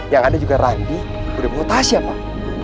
yang ada juga randy sudah bawa tasya pak